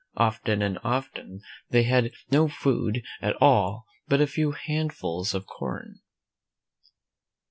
Often and often they had no food at all but a few handfuls of corn.